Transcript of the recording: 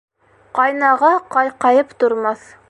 Ҡайнаға ҡайҡайып тормаҫ